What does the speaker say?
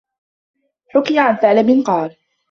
حُكِيَ عَنْ ثَعْلَبٍ قَالَ